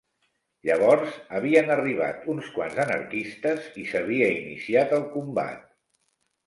Llavors havien arribat uns quants anarquistes i s'havia iniciat el combat